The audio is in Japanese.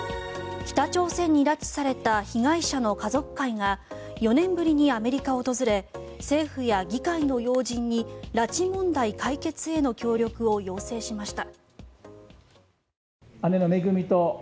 北朝鮮に拉致された被害者の家族会が４年ぶりにアメリカを訪れ政府や議会の要人に拉致問題解決への協力を要請しました。